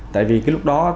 tại vì cái lúc đó